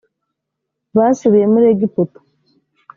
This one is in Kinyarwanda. basubiye muri egiputa